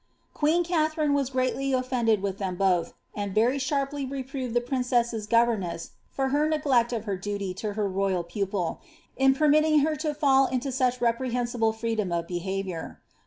Katharine was greatly oflended with them both, and very proved the princess's governess for her neglect of her duty to pupil, in permitting her to fall into such reprehensible freedom ur.